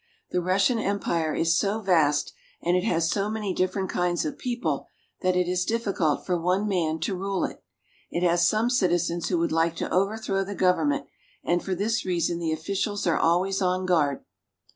The Rus sian Empire is so vast and it has so many different kinds of people that it is difficult for one man to rule it. It has some citizens who would like to overthrow the government, and for this reason the officials are always on guard.